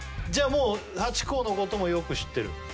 じゃあもうハチ公のこともよく知ってる？